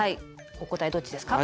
お答えどっちですか？